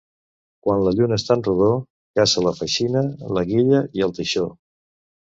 Quan la lluna està en rodó, caça la feixina, la guilla i el teixó.